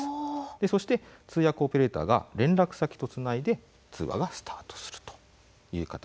そして、通訳オペレーターが連絡先とつないで通話がスタートします。